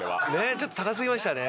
ちょっと高過ぎましたね。